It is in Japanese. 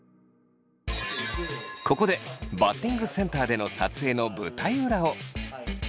ここでバッティングセンターでの撮影の舞台裏を。